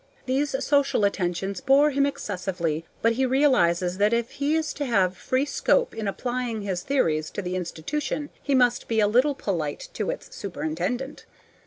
These social attentions bore him excessively; but he realizes that if he is to have free scope in applying his theories to the institution he must be a little polite to its superintendent.